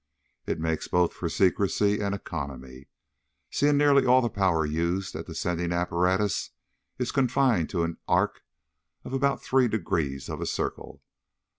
It makes both for secrecy and economy, since nearly all the power used at the sending apparatus is confined to an arc of about three degrees of a circle.